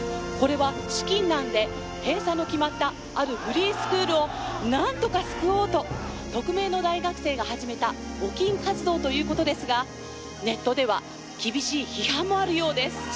「これは資金難で閉鎖の決まったあるフリースクールをなんとか救おうと匿名の大学生が始めた募金活動という事ですがネットでは厳しい批判もあるようです」